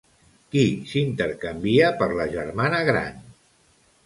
Qui s'intercanvia per la germana gran?